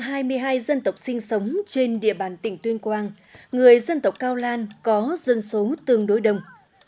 trong hai mươi hai dân tộc sinh sống trên địa bàn tỉnh tuyên quang người dân tộc cao lan có dân số tương đối đông